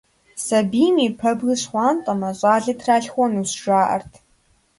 Сабийм и пэбгыр щхъуантӀэмэ, щӀалэ тралъхуэнущ, жаӀэрт.